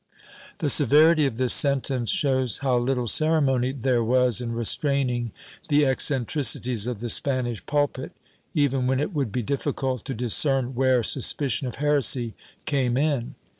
^ The severity of this sentence shows how little ceremony there was in restraining the eccentricities of the Spanish pulpit, even when it w^ould be difficult to discern where suspicion of heresy came in.